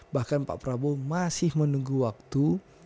bahkan pak prabowo masih menunggu waktu